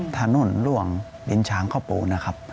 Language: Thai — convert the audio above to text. ถนนหลวงดินช้างข้าวปูนะครับ